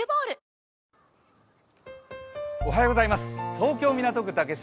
東京・港区竹芝